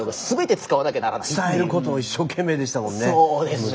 伝えることを一生懸命でしたもんね。